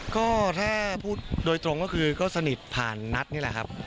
ก็ถ้าพูดโดยตรงก็คือก็สนิทผ่านนัทนี่แหละครับ